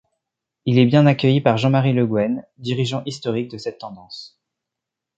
Il est bien accueilli par Jean-Marie Le Guen, dirigeant historique de cette tendance.